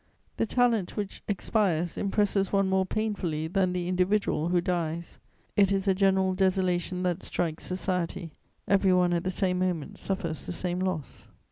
The talent which expires impresses one more painfully than the individual who dies: it is a general desolation that strikes society; every one at the same moment suffers the same loss.